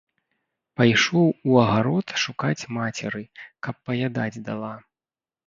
Пайшоў у агарод шукаць мацеры, каб паядаць дала.